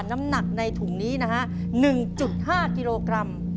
น้ำหนักในถุงนี้นะฮะ๑๕กิโลกรัม